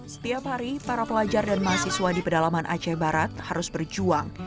setiap hari para pelajar dan mahasiswa di pedalaman aceh barat harus berjuang